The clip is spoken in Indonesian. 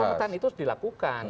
pemetaan itu harus dilakukan